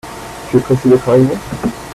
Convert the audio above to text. Tu es pressé d'être arrivé ?